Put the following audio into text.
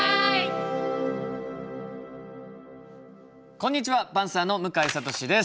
こんにちはパンサーの向井慧です。